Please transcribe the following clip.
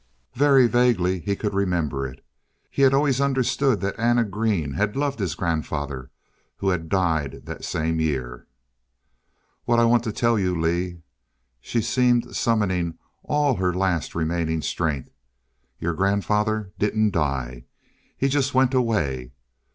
Very vaguely he could remember it. He had always understood that Anna Green had loved his grandfather, who had died that same year. "What I want to tell you, Lee " She seemed summoning all her last remaining strength. "Your grandfather didn't die. He just went away.